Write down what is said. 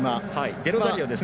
デロザリオですね